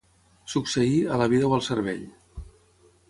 Succeir, a la vida o al cervell.